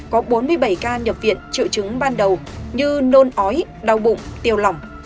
có bốn mươi bảy ca nhập viện triệu chứng ban đầu như nôn ói đau bụng tiêu lỏng